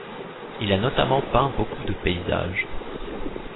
Il a notamment peint beaucoup de paysage.